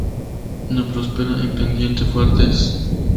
No prospera en pendiente fuertes.